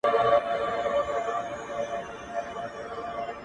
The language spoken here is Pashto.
د زړه په هر درب كي مي ته اوســېږې”